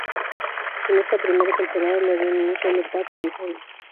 En esta primera temporada no dio ni un solo pase de gol.